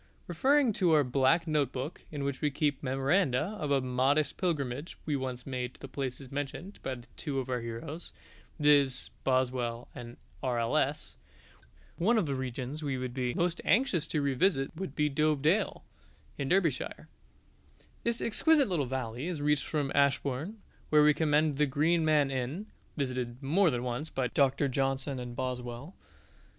Referring to our black note book, in which we keep memoranda of a modest pilgrimage we once made to places mentioned by two of our heroes, viz., Boswell and R.L.S., we think that if we were in C.F.B.'s shoes, one of the regions we would be most anxious to revisit would be Dove Dale, in Derbyshire. This exquisite little valley is reached from Ashbourne, where we commend the Green Man Inn (visited more than once by Doctor Johnson and Boswell).